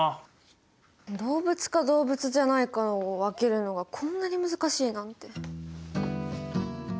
動物か動物じゃないかを分けるのがこんなに難しいなんて。